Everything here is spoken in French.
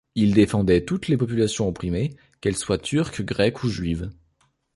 Il défendait toutes les populations opprimées qu'elles soient turques, grecques ou juives.